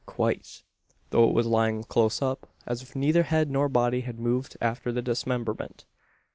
"Quite; though it was lying close up as if neither head nor body had moved after the dismemberment."